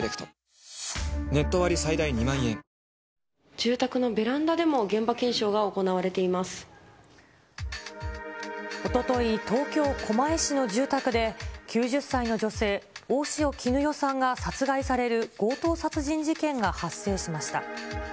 住宅のベランダでも、現場検おととい、東京・狛江市の住宅で、９０歳の女性、大塩衣与さんが殺害される強盗殺人事件が発生しました。